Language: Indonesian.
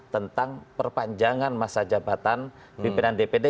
tentang perpanjangan masa jabatan pimpinan dpd